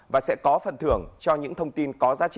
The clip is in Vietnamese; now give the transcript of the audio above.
và sẽ có phát hiện